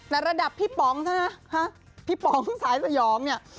แต่ระดับพี่ป๋องซะนะพี่ป๋องสายสยองเนี่ย